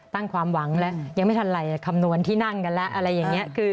ตั้งความหวังแล้วยังไม่ทันไรคำนวณที่นั่งกันแล้วอะไรอย่างนี้